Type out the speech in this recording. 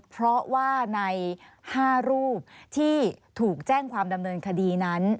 เพราะว่าใน๕รูปที่ถูกแจ้งความดำเนินคดีนั้น